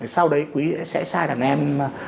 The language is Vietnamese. sau đấy quý sẽ sai đàn em